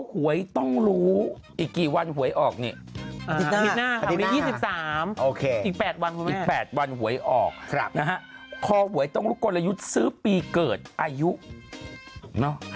หวยออกครับนะคะขอหวยต้องรู้กฎละยุทซื้อปีเกิดอายุเนาะ